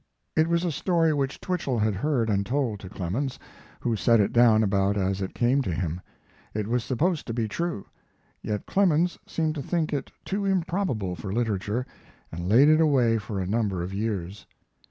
It was a story which Twichell had heard and told to Clemens, who set it down about as it came to him. It was supposed to be true, yet Clemens seemed to think it too improbable for literature and laid it away for a number of years.